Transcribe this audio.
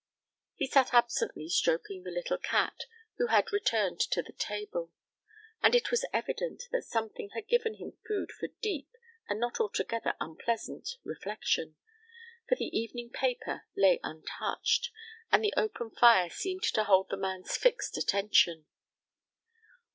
He sat absently stroking the little cat, who had returned to the table, and it was evident that something had given him food for deep, and not altogether unpleasant, reflection, for the evening paper lay untouched, and the open fire seemed to hold the man's fixed attention.